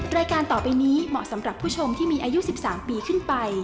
รายการต่อไปนี้เหมาะสำหรับผู้ชมที่มีอายุ๑๓ปีขึ้นไป